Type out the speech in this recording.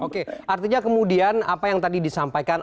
oke artinya kemudian apa yang tadi disampaikan